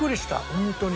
ホントに。